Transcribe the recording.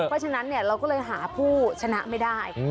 เพราะฉะนั้นเราก็เลยหาผู้ชนะไม่ได้